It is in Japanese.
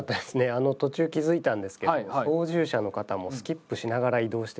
あの途中気付いたんですけど操縦者の方もスキップしながら移動して。